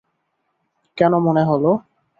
কেন মনে হল?